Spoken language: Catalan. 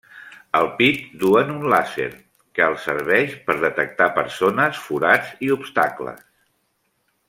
Al pit duen un làser que els serveix per detectar persones, forats i obstacles.